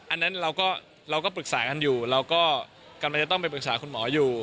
อันนั้นเราก็ปรึกษากันอยู่เราก็กำลังจะต้องไปปรึกษาคุณหมออยู่